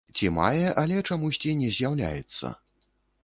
Ці мае, але чамусьці не з'яўляецца.